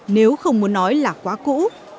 nếu không muốn nói là quá cũ